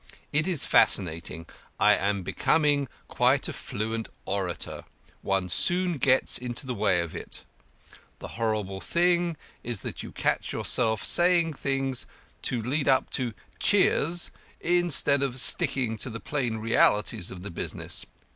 It is fascinating.... I am becoming quite a fluent orator. One soon gets into the way of it. The horrible thing is that you catch yourself saying things to lead up to 'Cheers' instead of sticking to the plain realities of the business.